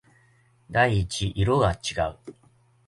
第一色が違う